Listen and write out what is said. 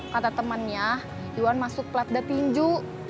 kata temannya iwan masuk platda tinju